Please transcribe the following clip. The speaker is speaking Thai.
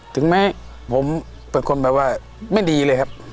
ถึงแม้ผมเป็นคนแบบว่าไม่ดีเลยครับ